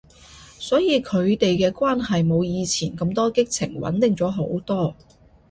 所以佢哋嘅關係冇以前咁多激情，穩定咗好多